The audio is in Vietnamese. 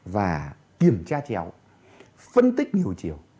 và kiểm tra chéo phân tích nhiều chiều